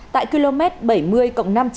tại km bảy mươi cộng năm trăm linh